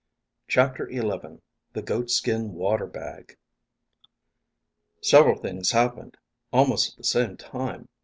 _ CHAPTER XI The Goatskin Water Bag Several things happened almost at the same time.